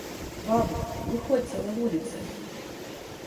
Бабы, выходзьце на вуліцы!